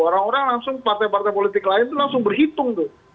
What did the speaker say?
orang orang langsung partai partai politik lain itu langsung berhitung tuh